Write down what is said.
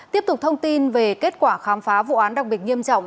tiếp tục thông tin về kết quả khám phá vụ án đặc biệt nghiêm trọng